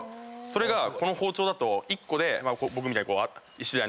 それがこの包丁だと１個で僕みたいにイシダイの頭を。